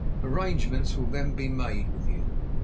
Arrangements will then be made with you.